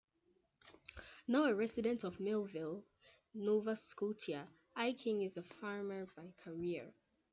Now a resident of Millville, Nova Scotia, Eyking is a farmer by career.